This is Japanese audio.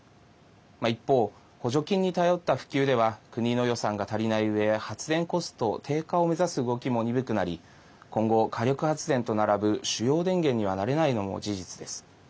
一方、補助金に頼った普及では国の予算が足りないうえ発電コスト低下を目指す動きも鈍くなり今後、火力発電と並ぶ主要電源にはなれないのも事実です。